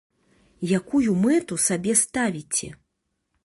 Якую мэту сабе ставіце?